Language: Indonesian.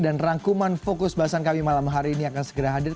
dan rangkuman fokus bahasan kami malam hari ini akan segera hadir